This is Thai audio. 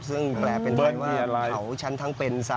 ซึ่งแปลเป็นไทยว่าเขาฉันทั้งเป็นซะ